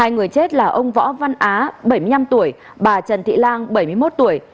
hai người chết là ông võ văn á bảy mươi năm tuổi bà trần thị lan bảy mươi một tuổi